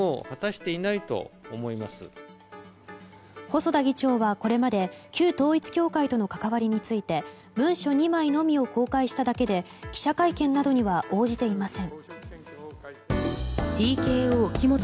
細田議長は、これまで旧統一教会との関わりについて文書２枚のみを公開しただけで記者会見などには応じていません。